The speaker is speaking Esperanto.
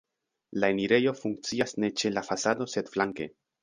La enirejo funkcias ne ĉe la fasado, sed flanke.